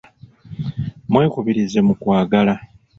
Mwekubirize mu kwagala.